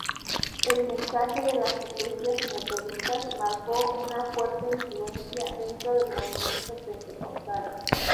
El mensaje de las iglesias metodistas marcó una fuerte influencia dentro del movimiento pentecostal.